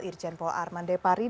irjen paul armandepari dan jendrala